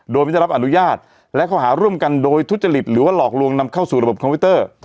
โดยไม่ได้รับอนุญาตและข้อหาร่วมกันโดยทุจริตหรือว่าหลอกลวงนำเข้าสู่ระบบคอมพิวเตอร์